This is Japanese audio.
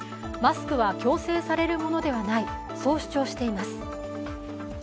マスクは強制されるものではない、そう主張しています。